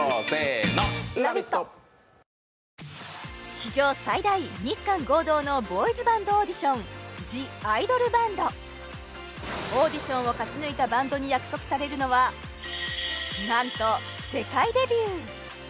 史上最大日韓合同のボーイズバンドオーディション「ＴＨＥＩＤＯＬＢＡＮＤ」オーディションを勝ち抜いたバンドに約束されるのはなんと世界デビュー